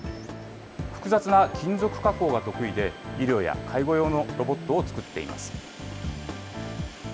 複雑な金属加工が得意で、医療や介護用のロボットを作っています。